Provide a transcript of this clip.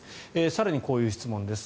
更に、こういう質問です。